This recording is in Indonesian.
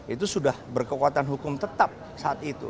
itu sudah berkekuatan hukum tetap saat itu